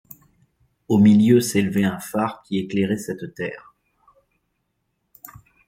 Au milieu s’élevait un phare qui éclairait cette terre.